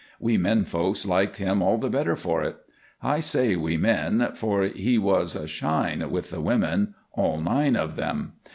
We men folks liked him all the better for it. I say we men, for he was a "shine" with the women all nine of them.